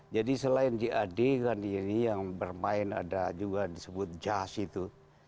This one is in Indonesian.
jadi selain jad kan ini yang bermain ada juga disebut jas itu